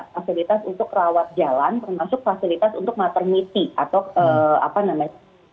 fasilitas untuk rawat jalan termasuk fasilitas untuk maternity atau apa namanya